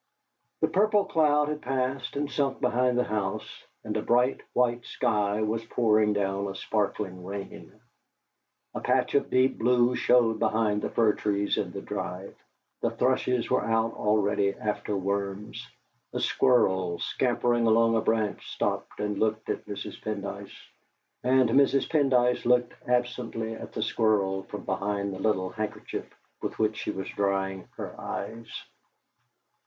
The purple cloud had passed, and sunk behind the house, and a bright white sky was pouring down a sparkling rain; a patch of deep blue showed behind the fir trees in the drive. The thrushes were out already after worms. A squirrel scampering along a branch stopped and looked at Mrs. Pendyce, and Mrs. Pendyce looked absently at the squirrel from behind the little handkerchief with which she was drying her eyes.